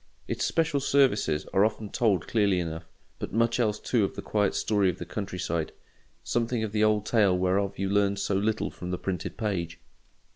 Its special services are often told clearly enough; but much else too of the quiet story of the country side: something of the old tale whereof you learn so little from the printed page.